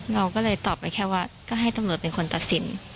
เราก็เลยตอบไปแค่ว่าก็ให้ตำรวจเป็นคนตัดสิน